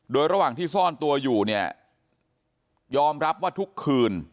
โดยระหว่างที่ซ่อนตัวอยู่เนี่ยยอมรับว่าทุกคืน